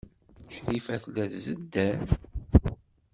Crifa tella tzedder.